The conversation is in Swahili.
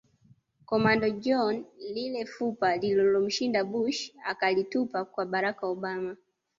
Commando John Lile fupa lililomshinda Bush akalitupia kwa Barack Obama